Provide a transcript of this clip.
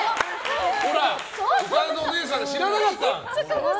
隣のお姉さんが知らなかった！